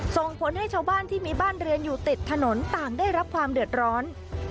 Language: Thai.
ส่งผลให้ชาวบ้านที่มีบ้านเรือนอยู่ติดถนนต่างได้รับความเดือดร้อน